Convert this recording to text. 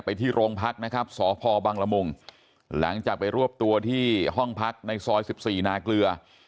ที่โรงพักนะครับสพบังละมุงหลังจากไปรวบตัวที่ห้องพักในซอย๑๔นาเกลือ